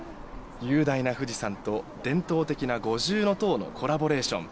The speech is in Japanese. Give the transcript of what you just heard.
雄大な富士山と伝統的な五重塔とのコラボレーション。